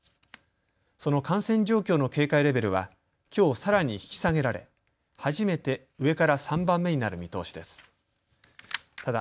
その感染状況の警戒レベルはきょう、さらに引き下げられ初めて上から３番目になる見通しです。